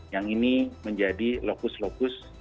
yang ini menjadi lokus lokus